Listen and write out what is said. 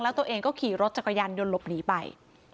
แล้วตัวเองก็ขี่รถจักรยานยนต์หลบหนีไป